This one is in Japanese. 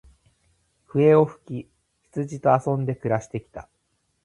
笛を吹き、羊と遊んで暮して来た。